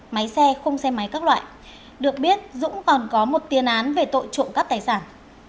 máy xe khung xe máy các loại được biết dũng còn có một tiền án về tội trộm cắp tài sản